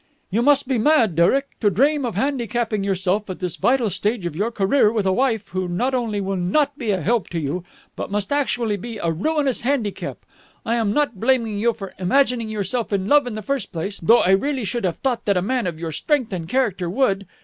"You must be mad, Derek, to dream of handicapping yourself at this vital stage of your career with a wife who not only will not be a help to you, but must actually be a ruinous handicap. I am not blaming you for imagining yourself in love in the first place, though I really should have thought that a man of your strength and character would....